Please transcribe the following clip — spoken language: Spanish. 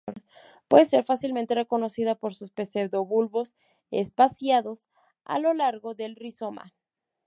Puede ser fácilmente reconocida por sus pseudobulbos espaciados a lo largo del rizoma.